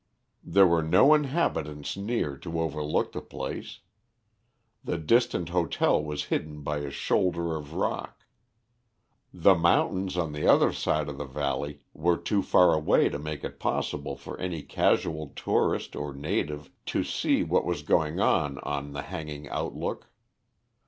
There were no inhabitants near to overlook the place. The distant hotel was hidden by a shoulder of rock. The mountains on the other side of the valley were too far away to make it possible for any casual tourist or native to see what was going on on the Hanging Outlook.